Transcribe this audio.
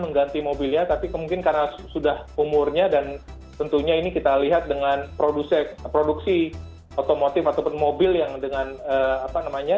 mengganti mobilnya tapi kemungkinan karena sudah umurnya dan tentunya ini kita lihat dengan produksi otomotif ataupun mobil yang dengan apa namanya